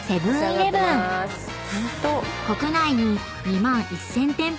［国内に２万１，０００店舗